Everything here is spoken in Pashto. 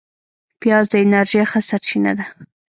پیاز د انرژۍ ښه سرچینه ده